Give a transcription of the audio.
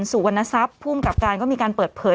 สุวรรณทรัพย์ภูมิกับการก็มีการเปิดเผย